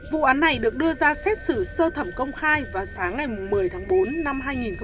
vụ án này được đưa ra xét xử sơ thẩm công khai vào sáng ngày một mươi tháng bốn năm hai nghìn một mươi chín